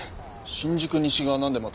新宿西がなんでまた。